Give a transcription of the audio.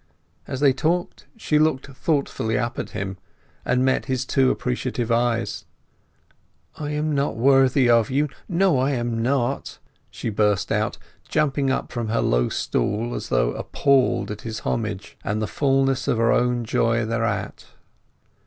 As they talked she looked thoughtfully up at him, and met his two appreciative eyes. "I am not worthy of you—no, I am not!" she burst out, jumping up from her low stool as though appalled at his homage, and the fulness of her own joy thereat.